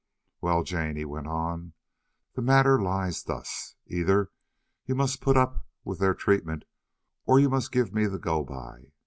"Well, Jane," he went on, "the matter lies thus: either you must put up with their treatment or you must give me the go by.